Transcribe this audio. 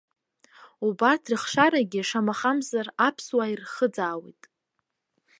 Убарҭ рыхшарагьы, шамахамзар, аԥсуаа ирхыӡаауеит.